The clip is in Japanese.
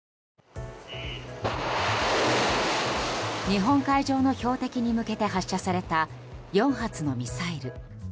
日本海上の標的に向けて発射された、４発のミサイル。